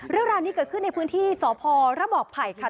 เรื่องราวนี้เกิดขึ้นในพื้นที่สพรบไผ่ค่ะ